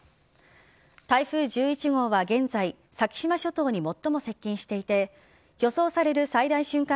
台風１１号は現在先島諸島に最も接近していて予想される最大瞬間